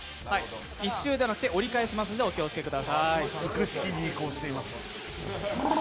１周じゃなくて折り返しますので気をつけてください。